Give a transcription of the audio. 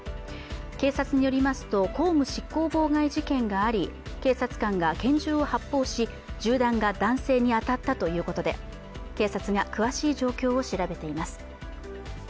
警察によりますと、公務執行妨害事件があり、警察官が拳銃を発砲し、銃弾が男性に当たったということで警察が詳しい状況を調べています。